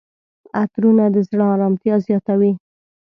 عطرونه د زړه آرامتیا زیاتوي.